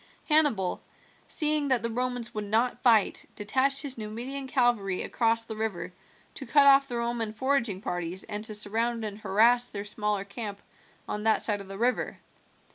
Hannibal, seeing that the Romans would not fight, detached his Numidian cavalry across the river to cut off the Roman foraging parties and to surround and harass their smaller camp on that side of the river.